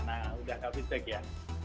nah sudah ke feedback ya